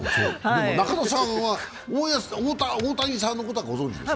中田さんは大谷さんのことはご存じでしょ？